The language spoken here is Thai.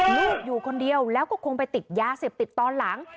ลูกอยู่คนเดียวแล้วก็คงไปติดยาเสพติดตอนหลัง